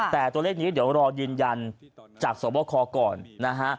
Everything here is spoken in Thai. แต่ตัวเลขนี้เดี๋ยวรอยืนยันจากสวบคก่อนนะฮะ